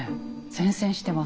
善戦してます。